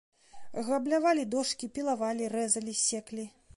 Габлявалі дошкі, пілавалі, рэзалі, секлі.